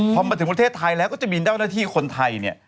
พอมาถึงประเทศไทยแล้วก็จะมีเจ้าหน้าที่คนไทยเนี่ย